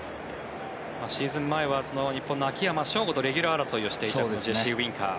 シーズン前は日本の秋山翔吾とレギュラー争いをしていたこのジェシー・ウィンカー。